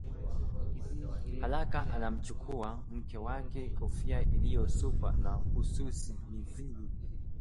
haraka anamchukulia mme wake kofia iliyosukwa na ususi mithili